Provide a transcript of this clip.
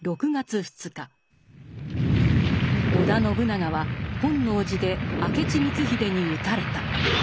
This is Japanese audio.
織田信長は本能寺で明智光秀に討たれた。